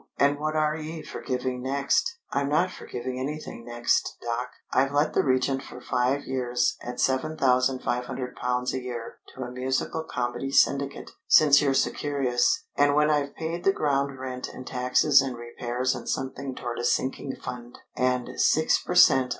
"And what are ye for giving next?" "I'm not for giving anything next, Doc. I've let the Regent for five years at seven thousand five hundred pounds a year to a musical comedy syndicate, since you're so curious. And when I've paid the ground rent and taxes and repairs and something toward a sinking fund, and six per cent.